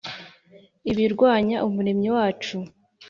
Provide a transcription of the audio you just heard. ibirwanya umuremyi wacu